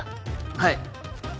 はい。